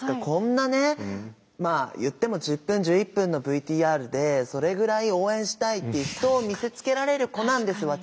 こんなねまあ言っても１０分１１分のＶＴＲでそれぐらい応援したいっていう人を魅せつけられる子なんです